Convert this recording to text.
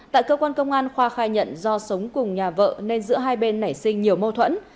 tại cơ quan công an khoa khai nhận do sống cùng nhà vợ nên giữa hai bên nảy sinh nhiều mâu thuẫn